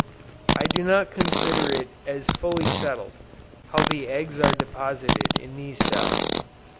I do not consider it as fully settled, how the eggs are deposited in these cells.